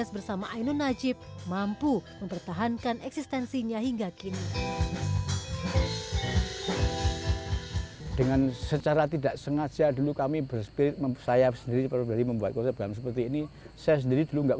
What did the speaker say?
buruk itulah hidup manusia